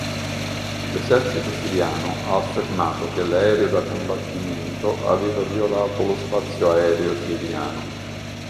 L'esercito siriano ha affermato che l'aereo da combattimento aveva violato lo spazio aereo siriano.